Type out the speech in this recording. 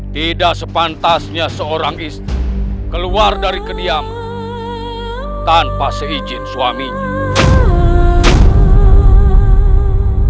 tidak sepantasnya seorang istri keluar dari kediaman tanpa seizin suaminya